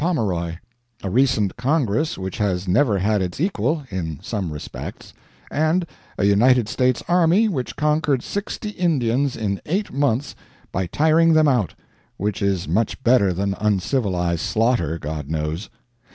Pomeroy, a recent Congress which has never had its equal (in some respects), and a United States Army which conquered sixty Indians in eight months by tiring them out which is much better than uncivilized slaughter, God knows.